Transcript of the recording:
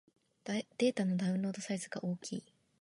データのダウンロードサイズが大きい